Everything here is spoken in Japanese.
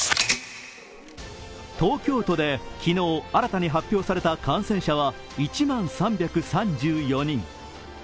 東京都で昨日、新たに発表された感染者は１万３３４人。